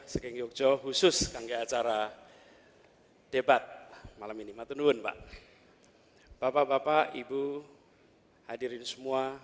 sekeng jogjo khusus gangga acara debat malam ini matun nuhun pak bapak bapak ibu hadirin semua